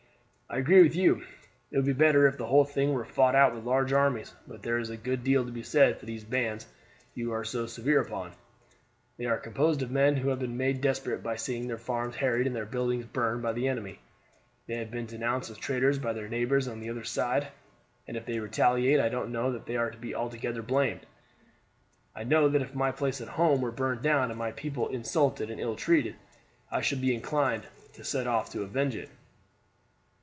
I agree with you, it would be better if the whole thing were fought out with large armies, but there is a good deal to be said for these bands you are so severe upon. They are composed of men who have been made desperate by seeing their farms harried and their buildings burned by the enemy. They have been denounced as traitors by their neighbors on the other side, and if they retaliate I don't know that they are to be altogether blamed. I know that if my place at home were burned down and my people insulted and ill treated I should be inclined to set off to avenge it."